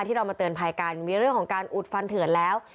ที่เรามาเตือนภัยกันมีเรื่องของการอุดฟันเถื่อนแล้ว